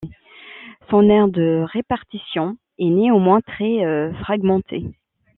Son aire de répartition est néanmoins très fragmentée.